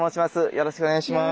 よろしくお願いします。